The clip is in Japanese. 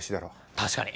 確かに。